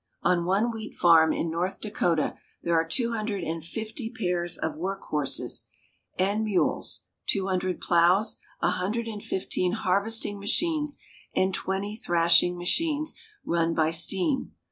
On one wheat farm in North Dakota there are two hundred and fifty pairs of work horses and mules, two hun dred plows, a hundred and fif teen harvesting machines, and twenty thrash ing machines ASuiicypiow. run by steam.